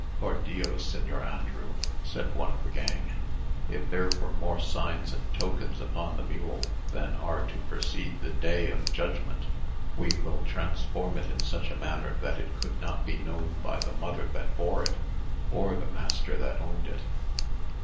"Por dios, Señor Andrew," said one of the gang, "if there were more signs and tokens upon the mule than are to precede the day of judgment, we will transform it in such a manner that it could not be known by the mother that bore it, or the master that owned it."